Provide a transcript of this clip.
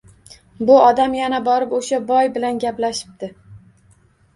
Bu odam yana borib, o`sha boy bilan gaplashibdi